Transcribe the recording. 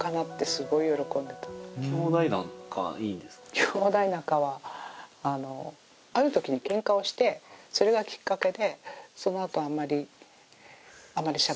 兄弟仲はある時にケンカをしてそれがきっかけでそのあとあんまりあまりしゃべらなくなった。